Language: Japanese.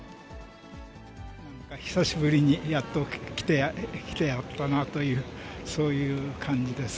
久しぶりにやっと来てやったなという、そういう感じです。